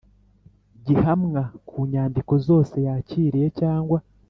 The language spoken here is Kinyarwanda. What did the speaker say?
gihamwa ku nyandiko zose yakiriye cyangwa